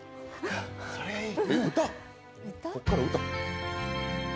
それはいい。